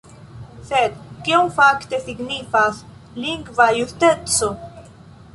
Sed kion fakte signifas lingva justeco?